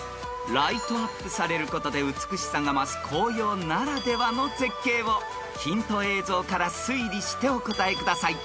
［ライトアップされることで美しさが増す紅葉ならではの絶景をヒント映像から推理してお答えください］